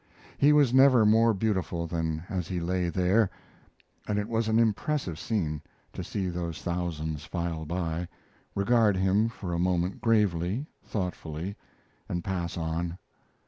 He was never more beautiful than as he lay there, and it was an impressive scene to see those thousands file by, regard him for a moment gravely, thoughtfully, and pass on.